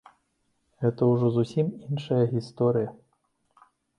І гэта ўжо зусім іншая гісторыя.